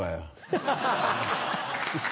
ハハハ！